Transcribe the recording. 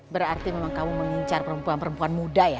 berarti memang kamu mengincar perempuan perempuan muda ya